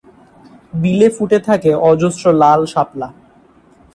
বিলে ফুটে থাকে অজস্র লাল শাপলা।